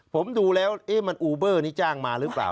ผมดูแล้วมันอูเบอร์นี้จ้างมาหรือเปล่า